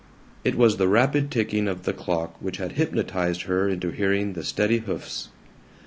It was the rapid ticking of the clock which had hypnotized her into hearing the steady hoofs.